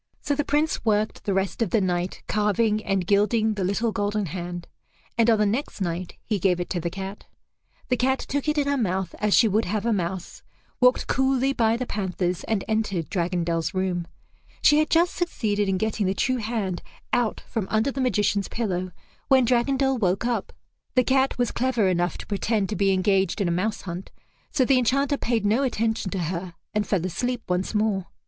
So the Prince worked the rest of the night carving and gilding the little golden hand, and on the next night he gave it to the cat. The cat took it in her mouth as she would have a mouse, walked coolly by the panthers, and entered Dragondel's room. She had just succeeded in getting the true hand out from under the magician's pillow when Dragondel woke up. The cat was clever enough to pretend to be engaged in a mouse hunt, so the Enchanter paid no attention to her and fell asleep once more.